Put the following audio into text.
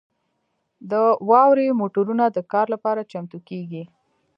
د واورې موټرونه د کار لپاره چمتو کیږي